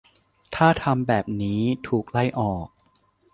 ถ้าทำแบบนี้ ถูกไล่ออก